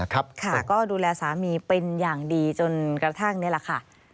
ก็ดูแลสามีเป็นอย่างดีจนกระทั่งนี่แหละค่ะ